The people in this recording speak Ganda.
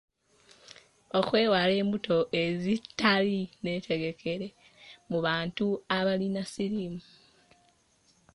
Okwewala embuto ezitali nneetegekere mu bantu abalina siriimu.